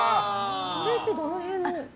それってどの辺の？